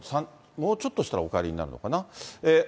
もうちょっとしたら、お帰りになるのかな。